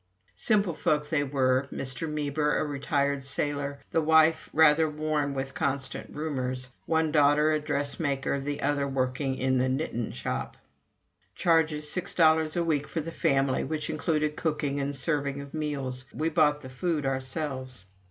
Simple folk they were: Mr. Meber a retired sailor, the wife rather worn with constant roomers, one daughter a dressmaker, the other working in the "knittin" shop. Charges, six dollars a week for the family, which included cooking and serving our meals we bought the food ourselves.